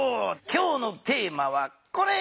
今日のテーマはこれ！